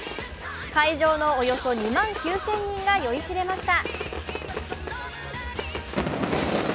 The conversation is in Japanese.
会場のおよそ２万９０００人が酔いしれました。